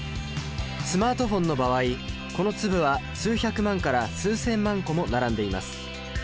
スマートフォンの場合この粒は数百万から数千万個も並んでいます。